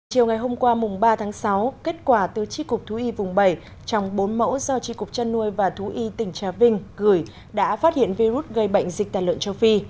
chiều ngày hôm qua mùng ba tháng sáu kết quả từ tri cục thú y vùng bảy trong bốn mẫu do tri cục chăn nuôi và thú y tỉnh trà vinh gửi đã phát hiện virus gây bệnh dịch tàn lợn châu phi